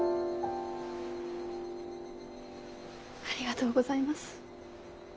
ありがとうございます。